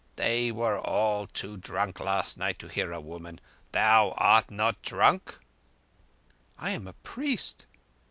They were all too drunk last night to hear a woman. Thou art not drunk?" "I am a priest."